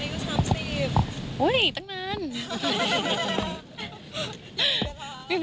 พี่ณเดชน์อยากจะแต่งงานก็ทำสิบ